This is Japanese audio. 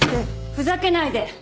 ふざけないで！